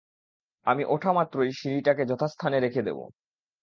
আমি ওঠা মাত্রই, সিঁড়িটাকে যথাস্থানে রেখে দেবে।